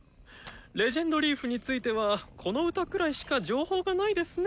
「レジェンドリーフ」についてはこの歌くらいしか情報がないですね。